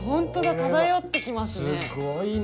漂ってきますね。